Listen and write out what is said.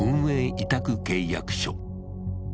委託契約書。